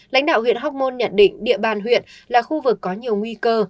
lãnh đạo huyện hóc môn nhận định địa bàn huyện là khu vực có nhiều nguy cơ